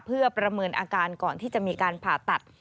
เพื่อประเมินอาการก่อนที่จะมีการผ่าตัด